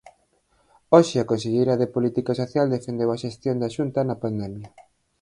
Hoxe a conselleira de Política Social defendeu a xestión da Xunta na pandemia.